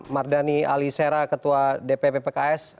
mardhani alisara ketua dpp pks